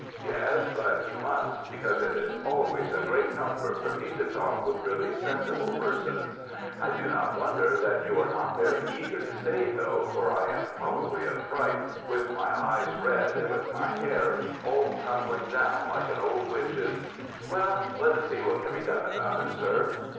Yes, but you must, because it is always a great comfort for me to talk with really sensible persons. I do not wonder that you are not very eager to stay, though, for I am probably a fright, with my eyes red, and with my hair all tumbling down, like an old witch's. Well, let us see what can be done about it, sir!